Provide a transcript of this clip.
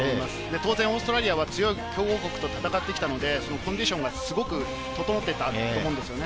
当然、オーストラリアは強豪国と戦ってきたのでコンディションが整っていたと思うんですね。